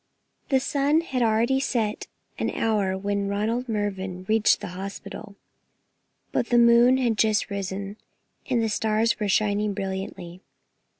The sun had already set an hour when Ronald Mervyn reached the hospital, but the moon had just risen, and the stars were shining brilliantly.